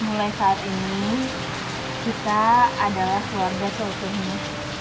mulai saat ini kita adalah keluarga seutuhnya